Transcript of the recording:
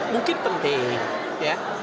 mungkin penting ya